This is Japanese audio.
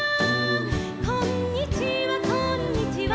「こんにちはこんにちは」